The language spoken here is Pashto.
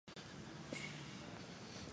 د جذبې ډکه ناره وکړه.